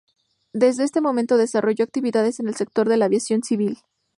Desde ese momento desarrolla actividades en el sector de la aviación civil.